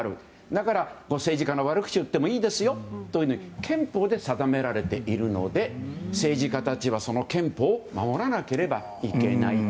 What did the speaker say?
だから、政治家の悪口を言ってもいいですよと憲法で定められているので政治家たちは憲法を守らなければいけない。